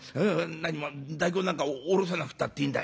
なにも大根なんかおろさなくたっていいんだ。